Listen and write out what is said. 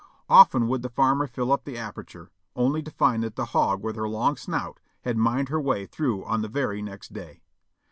Often would the farmer fill up the aperture, only to find that the hog with her long snout had mined her way through on the very next day.